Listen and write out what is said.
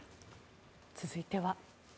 続いては。